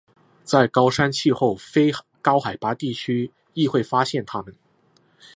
在高山气候非高海拔的地区亦会发现它们。